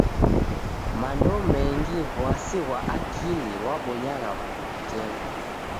Mando mengi w'asi ghwa akili ghwabonyagha w'andu w'itengo.